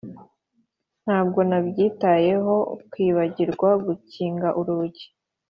ntabwo nabyitayeho kwibagirwa gukinga urugi.